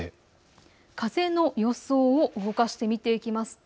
風の予想を動かして見ていきます。